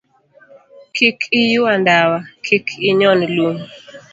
Kik Iyua Ndawa, Kik Inyon Lum